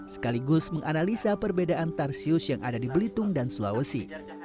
sekaligus menganalisa perbedaan tarsius yang ada di belitung dan sulawesi